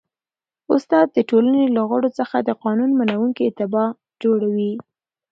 استاد د ټولني له غړو څخه د قانون منونکي اتباع جوړوي.